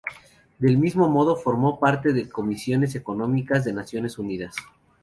Del mismo modo formó parte de comisiones económicas de Naciones Unidas.